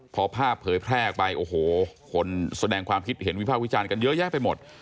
พอภาพเผยแพร่ออกไปโอ้โหคนแสดงความคิดเห็นวิภาควิจารณ์กันเยอะแยะไปหมด